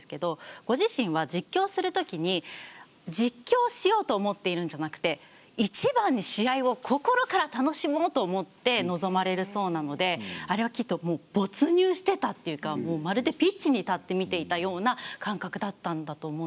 ご自身は実況するときに実況しようと思っているんじゃなくて一番に試合を心から楽しもうと思って臨まれるそうなのであれはきっともう没入してたっていうかまるでピッチに立って見ていたような感覚だったんだと思うんですよね。